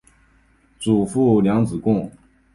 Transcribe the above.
祖父梁子恭。